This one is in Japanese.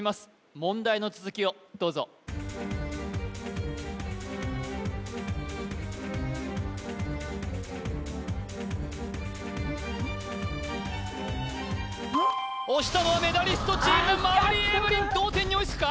問題の続きをどうぞ押したのはメダリストチーム馬瓜エブリン同点に追いつくか？